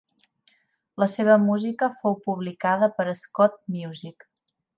La seva música fou publicada per Schott Music.